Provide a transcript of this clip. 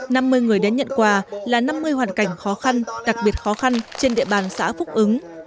năm mươi người đến nhận quà là năm mươi hoàn cảnh khó khăn đặc biệt khó khăn trên địa bàn xã phúc ứng